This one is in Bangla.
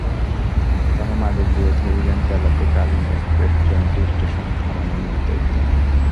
তাঁরা মাদকবিরোধী অভিযান চালাতে কালনী এক্সপ্রেস ট্রেনটি স্টেশনে থামানোর নির্দেশ দেন।